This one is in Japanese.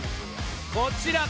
こちら！